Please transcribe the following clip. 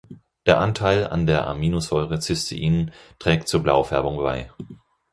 Der Anteil an der Aminosäure Cystein trägt zur Blaufärbung bei.